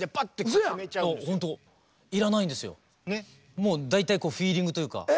もう大体フィーリングというか。